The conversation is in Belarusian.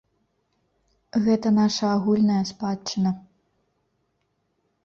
Гэта нашая агульная спадчына.